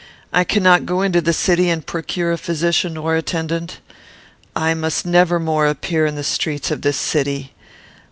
I cannot go into the city and procure a physician or attendant. I must never more appear in the streets of this city.